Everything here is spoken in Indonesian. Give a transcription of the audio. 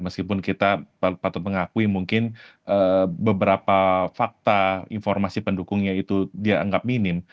meskipun kita patut mengakui mungkin beberapa fakta informasi pendukungnya itu dianggap minim